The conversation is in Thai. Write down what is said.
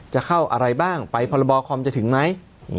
จะเข้าอะไรบ้างไปพรบคอมจะถึงไหม